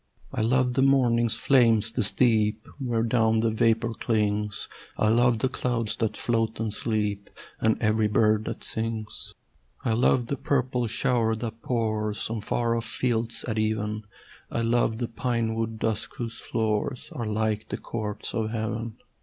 I love the morning's flame, the steep Where down the vapour clings: I love the clouds that float and sleep, And every bird that sings. I love the purple shower that pours On far off fields at even: I love the pine wood dusk whose floors Are like the courts of heaven.